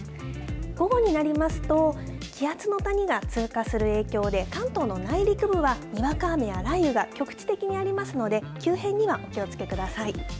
午後になりますと、気圧の谷が通過する影響で、関東の内陸部は、にわか雨や雷雨が局地的にありますので、急変にはお気をつけください。